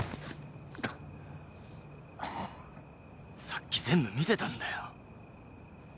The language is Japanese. さっき全部見てたんだよ。